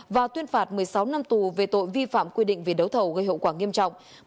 và tuyên phạt một mươi sáu năm tù về tội vi phạm quy định về đấu thầu gây hậu quả nghiêm trọng